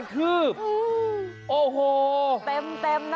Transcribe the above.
เต็ม